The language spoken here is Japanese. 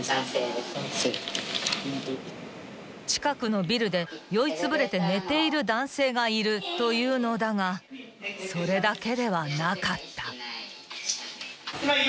［近くのビルで酔いつぶれて寝ている男性がいるというのだがそれだけではなかった］